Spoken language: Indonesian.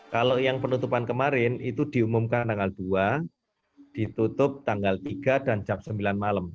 kalau yang penutupan kemarin itu diumumkan tanggal dua ditutup tanggal tiga dan jam sembilan malam